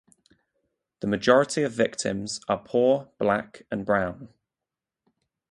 The majority of victims are poor, Black and brown.